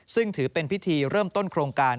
ซึ่งถือเป็นพิธีเริ่มต้นโครงการ